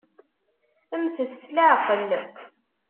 Mmtet s leɛqel!